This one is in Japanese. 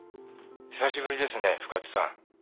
久しぶりですね深津さん。